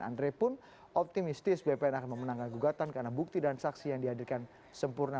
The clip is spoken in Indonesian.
andre pun optimistis bpn akan memenangkan gugatan karena bukti dan saksi yang dihadirkan sempurna